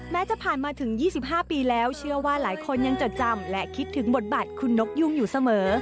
จะผ่านมาถึง๒๕ปีแล้วเชื่อว่าหลายคนยังจดจำและคิดถึงบทบาทคุณนกยุ่งอยู่เสมอ